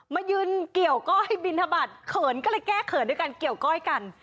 มายืนเกี่ยวก้อยบินทบาทเขินก็เลยแก้เขินด้วยการเกี่ยวก้อยกัน